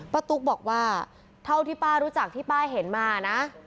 ตุ๊กบอกว่าเท่าที่ป้ารู้จักที่ป้าเห็นมานะ